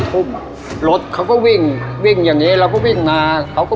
ไปกู้เงินหรอคะแม่